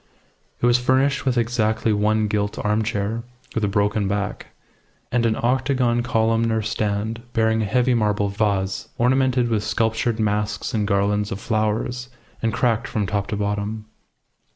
It was furnished with exactly one gilt armchair, with a broken back, and an octagon columnar stand bearing a heavy marble vase ornamented with sculptured masks and garlands of flowers, and cracked from top to bottom.